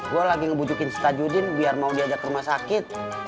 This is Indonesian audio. gue lagi ngebujukin setajudin biar mau diajak ke rumah sakit